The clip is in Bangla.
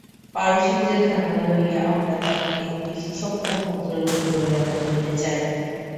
পারসীকদের ধারণা লইয়া আমরা তাহাকে একটি সুসভ্য ভদ্রলোকে পরিণত করিতে চাই।